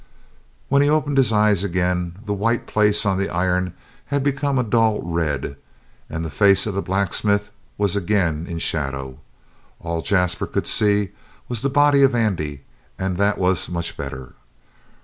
When he opened his eyes again the white place on the iron had become a dull red, and the face of the blacksmith was again in shadow. All Jasper could see was the body of Andy, and that was much better.